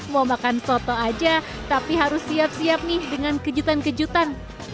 mau makan soto aja tapi harus siap siap nih dengan kejutan kejutan